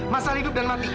masalah hidup dan mati